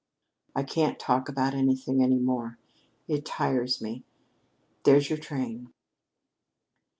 "I can't talk about anything any more. It tires me. There's your train."